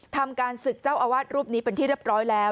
ทำการศึกเจ้าอาวาสรูปนี้เป็นที่เรียบร้อยแล้ว